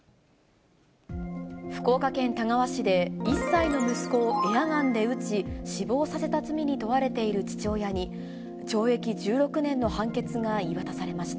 福岡県田川市で、１歳の息子をエアガンで撃ち、死亡させた罪に問われている父親に、懲役１６年の判決が言い渡されました。